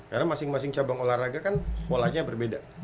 karena masing masing cabang olahraga kan polanya berbeda